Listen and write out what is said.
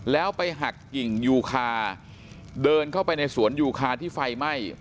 แล้วไปหักกิ่งยูคาเดินเข้าไปในสวนยูคาที่ไฟไหม้